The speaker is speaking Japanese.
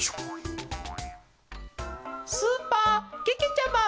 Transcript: スーパーけけちゃマン。